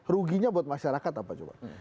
ruginya buat masyarakat apa coba